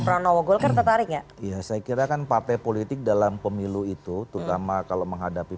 peranowo golkar tertarik ya iya saya kirakan partai politik dalam pemilu itu terutama kalau menghadapi